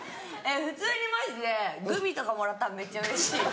普通にマジでグミとかもらったらめっちゃうれしい。